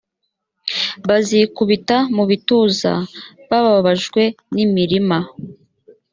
bazikubita mu bituza bababajwe n imirima